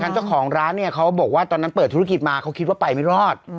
เจ้าของร้านเนี่ยเขาบอกว่าตอนนั้นเปิดธุรกิจมาเขาคิดว่าไปไม่รอด